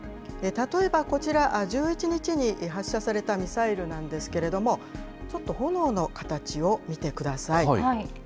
例えばこちら、１１日に発射されたミサイルなんですけれども、ちょっと炎の形を見てください。